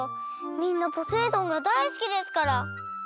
みんなポセイ丼がだいすきですから。